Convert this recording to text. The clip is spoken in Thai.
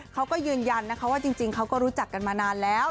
เขาก็ยืนยันนะคะว่าจริงเขาก็รู้จักกันมานานแล้ว